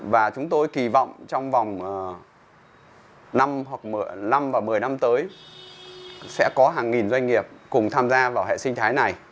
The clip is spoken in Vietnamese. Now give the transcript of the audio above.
và chúng tôi kỳ vọng trong vòng năm và một mươi năm tới sẽ có hàng nghìn doanh nghiệp cùng tham gia vào hệ sinh thái này